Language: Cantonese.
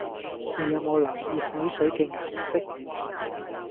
你有冇留意海水嘅顏色